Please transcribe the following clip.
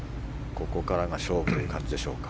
ここからが勝負という感じでしょうか。